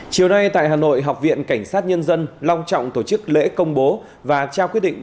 chiều nay tại hà nội học viện cảnh sát nhân dân long trọng tổ chức lễ công bố và trao quyết định